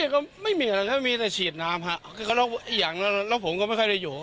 ก็ไม่มีอะไรครับมีแต่ฉีดน้ำฮะอีกอย่างแล้วผมก็ไม่ค่อยได้อยู่